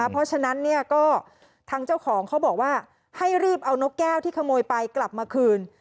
เพราะฉะนั้นเนี่ยก็ทางเจ้าของเขาบอกว่าให้รีบเอานกแก้วที่ขโมยไปกลับมาคืน